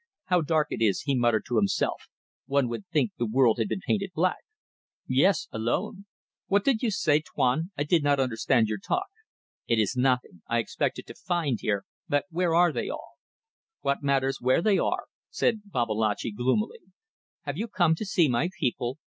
"How dark it is," he muttered to himself "one would think the world had been painted black." "Yes. Alone. What more did you say, Tuan? I did not understand your talk." "It is nothing. I expected to find here ... But where are they all?" "What matters where they are?" said Babalatchi, gloomily. "Have you come to see my people?